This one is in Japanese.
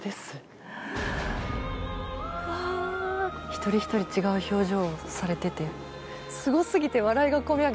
一人一人違う表情をされててすごすぎて笑いが込み上げてきちゃいます。